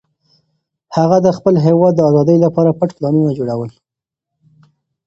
هغه د خپل هېواد د ازادۍ لپاره پټ پلانونه جوړول.